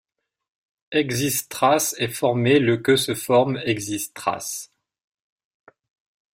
Exist†trace est formé le que se forme exist†trace.